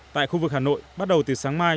tại khu vực hà nội bắt đầu từ sáng mai